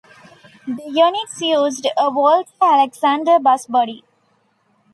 The units used a Walter Alexander bus body.